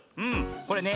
これね